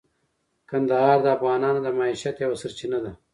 کندهار د افغانانو د معیشت یوه سرچینه ده.